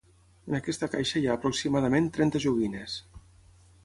En aquesta caixa hi ha aproximadament trenta joguines.